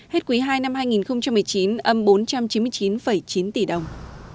hết quỹ hai năm hai nghìn một mươi chín âm bốn trăm chín mươi chín chín tỷ đồng